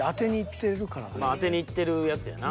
当てにいってるやつやな。